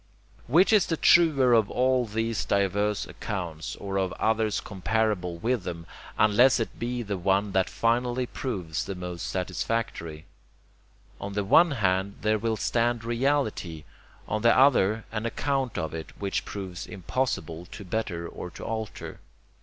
Which is the truer of all these diverse accounts, or of others comparable with them, unless it be the one that finally proves the most satisfactory? On the one hand there will stand reality, on the other an account of it which proves impossible to better or to alter.